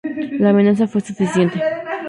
La amenaza fue suficiente.